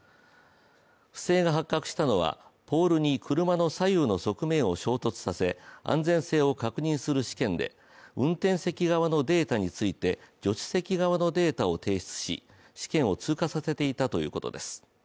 不正が発覚したのはポールに車の左右の側面を衝突させ安全性を確認する試験で運転席側のデータについて助手席側のデータを提出し試験を通過させていたということです。